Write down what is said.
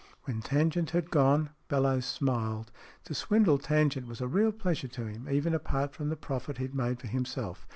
When Tangent had gone Bellowes smiled. To swindle Tangent was a real pleasure to him, even apart from the profit he made for himself.